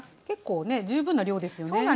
結構ね十分な量ですよね？